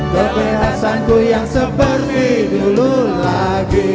kebenaranku yang seperti dulu lagi